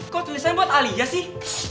kok tulisannya buat ali ya sih